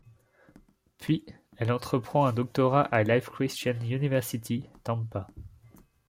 Puis elle entreprend un doctorat à Life Christian University, Tampa.